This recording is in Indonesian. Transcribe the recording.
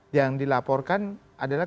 yang dilaporkan adalah